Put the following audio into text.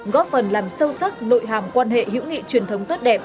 góp phần làm sâu sắc nội hàm quan hệ hữu nghị truyền thống tốt đẹp